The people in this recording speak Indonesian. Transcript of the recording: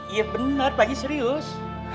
iya bener pak eji serius